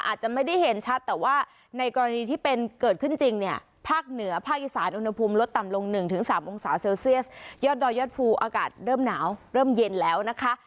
อาจจะไม่ได้เห็นชัดแต่ว่าในกรณีที่เป็นเกิดขึ้นจริงเนี่ยภาคเหนือภาคอีสานอุณหภูมิลดต่ำลง๑๓องศาเซลเซียสยอดดอยยอดภูอากาศเริ่มหนาวเริ่มเย็นแล้วนะคะ